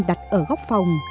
đặt ở góc phòng